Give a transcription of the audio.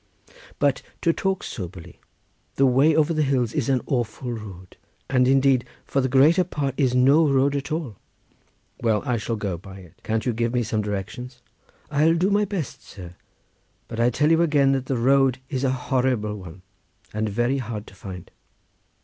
But to talk soberly. The way over the hills is an awful road, and indeed for the greater part is no road at all." "Well, I shall go by it. Can't you give me some directions?" "I'll do my best, sir; but I tell you again that the road is a horrible one, and very hard to find."